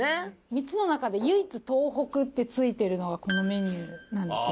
３つの中で唯一「東北」って付いてるのがこのメニューなんですよ。